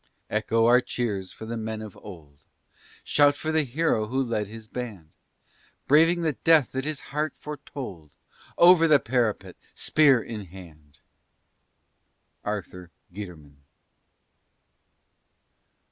Echo our cheers for the Men of old! Shout for the Hero who led his band Braving the death that his heart foretold Over the parapet, "spear in hand!" ARTHUR GUITERMAN.